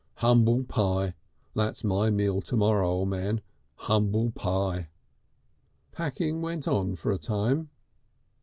Humble Pie, that's my meal to morrow, O' Man. Humble Pie." Packing went on for a time.